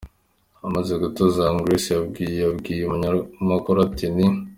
Amaze gutuza, Young Grace yabwiye yabwiye umunyamakuru ati Ni.